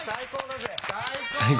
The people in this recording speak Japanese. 最高！